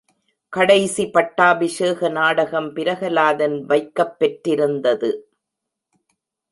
கடைசி பட்டாபிஷேக நாடகம் பிரகலாதன் வைக்கப் பெற்றிருந்தது.